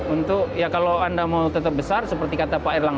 untuk ya kalau anda mau tetap besar seperti kata pak erlang